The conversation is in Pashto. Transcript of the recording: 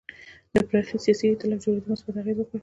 د پراخ سیاسي اېتلاف جوړېدو مثبت اغېز وکړ.